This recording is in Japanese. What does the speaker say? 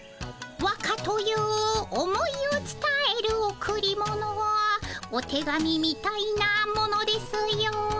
「和歌という思いをつたえるおくり物お手紙みたいなものですよ」。